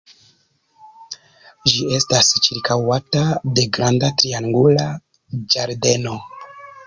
Ĝi estas ĉirkaŭata de granda triangula ĝardeno.